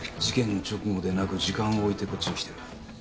事件直後でなく時間を置いてこっちに来てる。